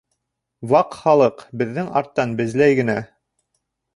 Ваҡ Халыҡ беҙҙең арттан безләй генә!